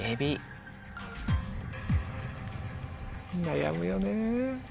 悩むよねぇ。